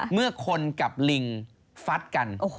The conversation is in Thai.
เมื่อคนกับลิงฟัดกัน